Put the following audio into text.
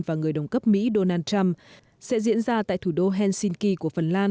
và người đồng cấp mỹ donald trump sẽ diễn ra tại thủ đô helsinki của phần lan